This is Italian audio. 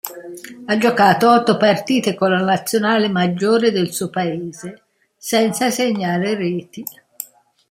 Ha giocato otto partite con la Nazionale maggiore del suo paese, senza segnare reti.